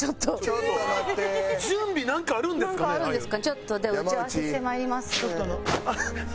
ちょっとでは打ち合わせしてまいります。